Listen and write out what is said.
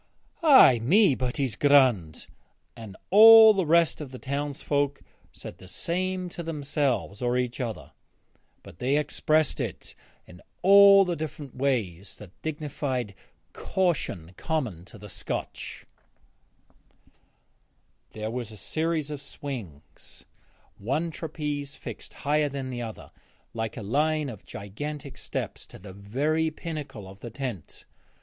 'Ay me, but he's grond'; and all the rest of the townsfolk said the same to themselves or each other, but they expressed it in all the different ways of that dignified caution common to the Scotch. There was a series of swings, one trapeze fixed higher than another, like a line of gigantic steps, to the very pinnacle of the tent.